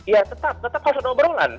ya tetap tetap langsung dobrolan